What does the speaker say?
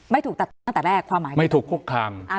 ไม่ถูกตัดตั้งตั้งแต่แรกความหมายไม่ถูกคุกคามอ่า